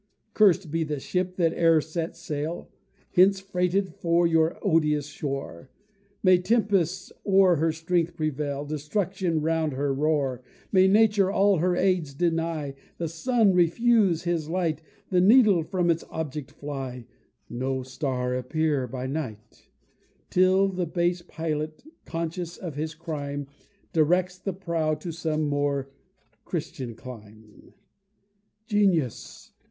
Cursed be the ship that e'er sets sail Hence, freighted for your odious shore; May tempests o'er her strength prevail, Destruction round her roar! May Nature all her aids deny, The sun refuse his light, The needle from its object fly, No star appear by night: Till the base pilot, conscious of his crime, Directs the prow to some more Christian clime. Genius!